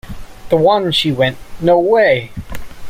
The one she went.. no way!